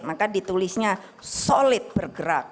maka ditulisnya solid bergerak